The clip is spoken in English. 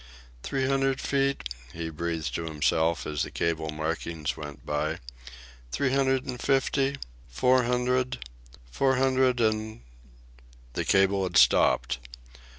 "Three hundred feet," he breathed to himself, as the cable markings went by, "three hundred and fifty, four hundred; four hundred and " The cable had stopped.